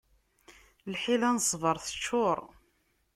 Lḥila n ṣṣbeṛ teččuṛ.